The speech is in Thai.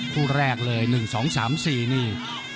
คู่แรกเลย๑๒๓๔นี่